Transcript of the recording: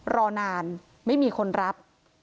รอนานไม่มีคนรับ